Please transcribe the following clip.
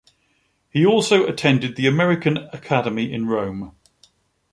He also attended the American Academy in Rome.